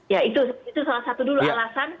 ya itu salah satu dulu alasan